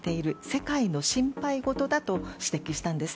世界の心配事だと指摘したんです。